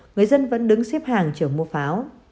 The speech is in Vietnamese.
người dân vẫn đứng xếp hàng chở mua pháo